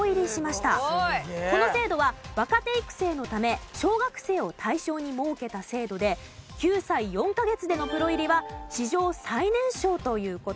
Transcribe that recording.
この制度は若手育成のため小学生を対象に設けた制度で９歳４カ月でのプロ入りは史上最年少という事です。